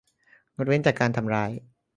งดเว้นจากการทำร้าย